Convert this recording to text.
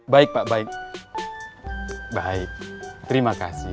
baik pak baik baik terima kasih